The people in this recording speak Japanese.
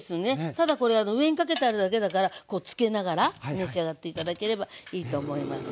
ただこれ上にかけてあるだけだからこうつけながら召し上がって頂ければいいと思います。